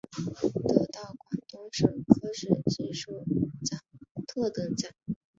得到广东省科学技术奖特等奖。